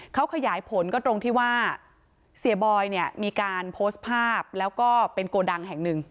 เขาขยายผลก็ตรงที่ว่าเสียบอยเนี่ยมีการโพสต์ภาพแล้วก็เป็นโกดังแห่งหนึ่ง